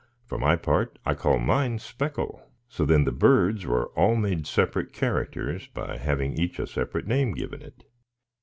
For my part, I call mine Speckle." So then the birds were all made separate characters by having each a separate name given it.